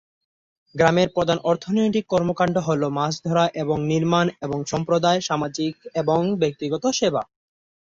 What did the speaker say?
গ্রামের প্রধান অর্থনৈতিক কর্মকাণ্ড হল মাছ ধরা এবং নির্মাণ এবং সম্প্রদায়, সামাজিক এবং ব্যক্তিগত সেবা।